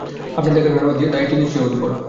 আপনার দেখাশোনার দায়িত্ব দিয়েছি ওর ওপর।